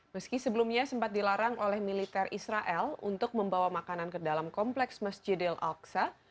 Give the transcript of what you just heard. meski sebelumnya sempat dilarang oleh militer israel untuk membawa makanan ke dalam kompleks masjid al aqsa